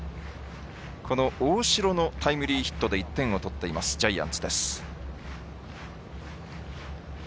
大城のタイムリーヒットで１点を取っていますジャイアンツです。